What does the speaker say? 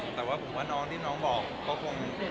แต่ว่าผมว่าน้องที่น้องบอกก็คง